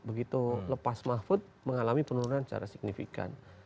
begitu lepas mahfud mengalami penurunan secara signifikan